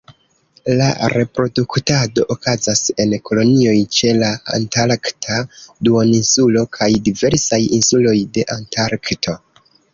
La reproduktado okazas en kolonioj ĉe la Antarkta Duoninsulo, kaj diversaj insuloj de Antarkto.